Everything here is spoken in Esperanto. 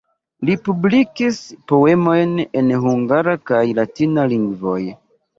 Li publikis poemojn en hungara kaj latina lingvoj.